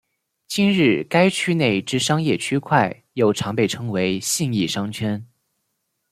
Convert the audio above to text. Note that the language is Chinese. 今日该区内之商业区块又常被称为信义商圈。